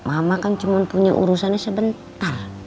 mama kan cuma punya urusannya sebentar